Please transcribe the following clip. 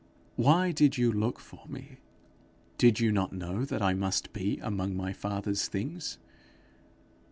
'Why did you look for me? Did you not know that I must be among my father's things?'